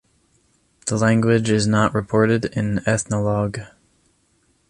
The language is not reported in Ethnologue.